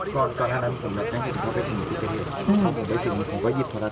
ก่อนก่อนนั้นเจ้าข้ามไปถึงหมู่ชิตประเทศ